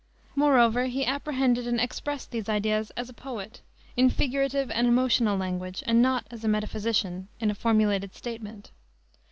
Moreover, he apprehended and expressed these ideas as a poet, in figurative and emotional language, and not as a metaphysician, in a formulated statement.